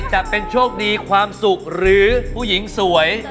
จะเป็นโชคดีความสุขหรือผู้หญิงสวย